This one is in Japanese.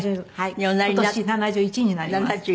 今年７１になります。